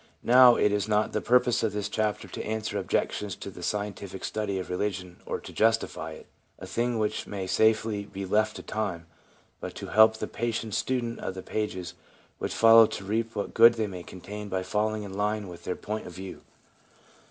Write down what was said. Now, it is not the purpose of this chapter to answer objections to the scientific study of religion or to justify it — a thing which may safely be left to time — but to help the patient student of the pages which follow to reap what good they may contain by falling in line with their point of view.